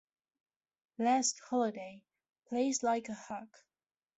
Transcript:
"Last Holiday" plays like a hug.